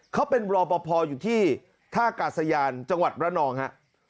เขาเป็นรอปภอยู่ที่ท่ากาศยานจังหวัดระนองฮะ